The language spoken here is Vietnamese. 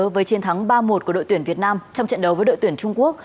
với chiến thắng ba một của đội tuyển việt nam trong trận đấu với đội tuyển trung quốc